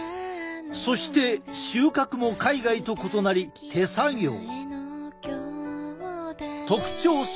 そして収穫も海外と異なり手作業。